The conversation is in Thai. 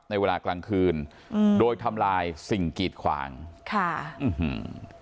เวลากลางคืนอืมโดยทำลายสิ่งกีดขวางค่ะอื้อหือ